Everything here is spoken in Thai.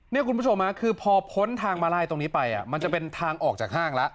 นี่คุณผู้ชมคือพอพ้นทางมาลัยตรงนี้ไปมันจะเป็นทางออกจากห้างแล้ว